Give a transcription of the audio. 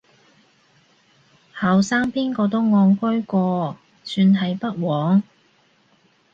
後生邊個都戇居過，算係不枉